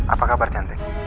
apa kabar cantik